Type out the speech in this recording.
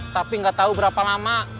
tapi nggak tahu berapa lama